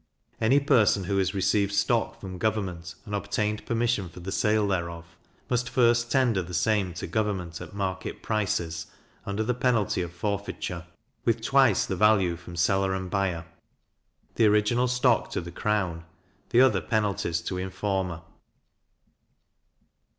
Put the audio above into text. Any person who has received stock from government, and obtained permission for the sale thereof, must first tender the same to government at market prices, under the penalty of forfeiture, with twice the value from seller and buyer; the original stock to the crown, the other penalties to informer.